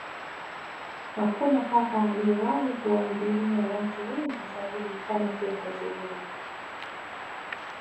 Hakuna Papa aliyewahi kuwahubiria watu wengi zaidi kama kiongozi huyo